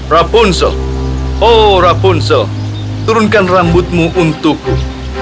rapunzel oh rapunzel turunkan rambutmu untukku